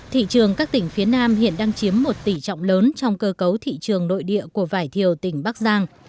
thị trường các tỉnh phía nam hiện đang chiếm một tỉ trọng lớn trong cơ cấu thị trường nội địa của vải thiều tỉnh bắc giang